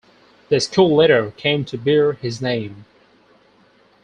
The school later came to bear his name.